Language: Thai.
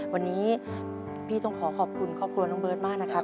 วันนี้พี่ต้องขอขอบคุณครอบครัวน้องเบิร์ตมากนะครับ